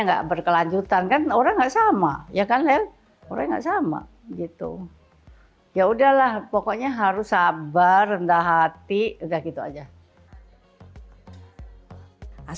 nggak berkelanjutan kan orang enggak sama ya kan lel orang enggak sama gitu ya udahlah pokoknya harus sabar rendah hati untuk ketahui dengan makanan yang diberikan oleh orang lain